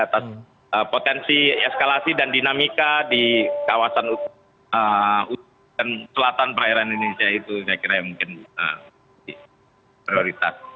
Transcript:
atas potensi eskalasi dan dinamika di kawasan selatan perairan indonesia itu saya kira yang mungkin prioritas